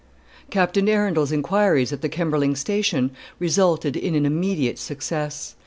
Captain Arundel's inquiries at the Kemberling station resulted in an immediate success.